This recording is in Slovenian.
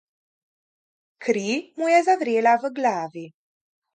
Kri mu je zavrela v glavi.